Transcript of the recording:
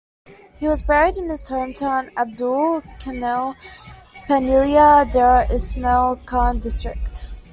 He was buried in his hometown Abdul Khel, Paniala, Dera Ismail Khan District.